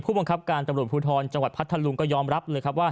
บังคับการตำรวจภูทรจังหวัดพัทธลุงก็ยอมรับเลยครับว่า